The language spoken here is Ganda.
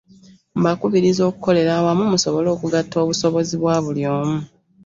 Mbakubiriza okukolera awamu musobole okugatta obusobozi bwa buli omu